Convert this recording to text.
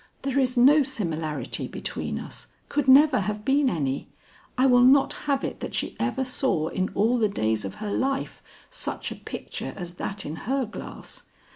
There is no similarity between us, could never have been any: I will not have it that she ever saw in all the days of her life such a picture as that in her glass."